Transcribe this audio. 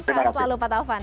selamat malam pak taufan